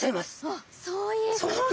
あっそういうこと。